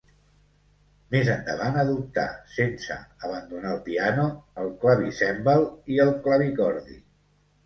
Més endavant adoptà, sense abandonar el piano, el clavicèmbal i el clavicordi.